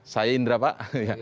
saya indra pak